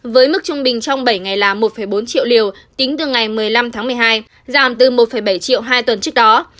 với mức trung bình trong bảy ngày là một bốn triệu liều tính từ ngày một mươi năm tháng một mươi hai giảm từ một bảy triệu hai tuần trước đó